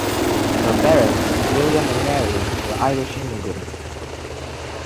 Her parents, William and Mary, were Irish immigrants.